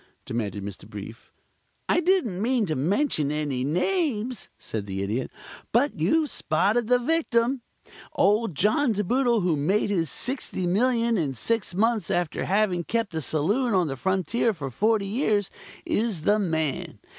demanded Mr. Brief. "I didn't mean to mention any names," said the Idiot. "But you've spotted the victim. Old John De Boodle, who made his $60,000,000 in six months after having kept a saloon on the frontier for forty years, is the man.